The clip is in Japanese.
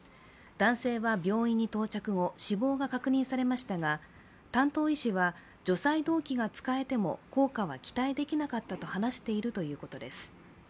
男性は病院に到着後、死亡が確認されましたが担当医師は、除細動器が使えても効果は期待できなかったと話しているということです。